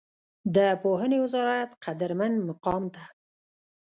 د پوهنې وزارت قدرمن مقام ته